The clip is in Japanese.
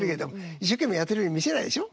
一生懸命やってるように見せないでしょ？